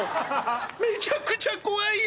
めちゃくちゃ怖いよ。